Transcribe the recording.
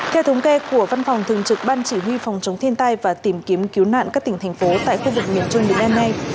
theo thống kê của văn phòng thường trực ban chỉ huy phòng chống thiên tai và tìm kiếm cứu nạn các tỉnh thành phố tại khu vực miền trung miền nay